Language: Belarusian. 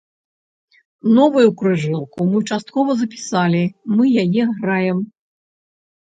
Новую кружэлку мы часткова запісалі, мы яе граем.